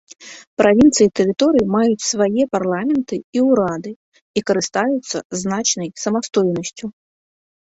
Правінцыі і тэрыторыі маюць свае парламенты і ўрады і карыстаюцца значнай самастойнасцю.